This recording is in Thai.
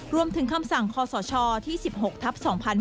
รวมถึงคำสั่งคศที่๑๖ทับ๒๕๖๑